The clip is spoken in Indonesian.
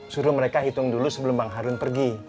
suruh mereka hitung dulu sebelum bang harun pergi